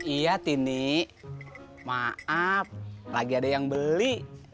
iya tini maaf lagi ada yang beli